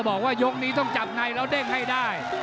บอกว่ายกนี้ต้องจับในแล้วเด้งให้ได้